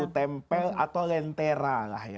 lampu tempel atau lentera